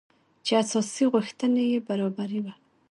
چې اساسي غوښتنې يې برابري وه .